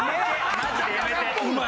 マジでやめて！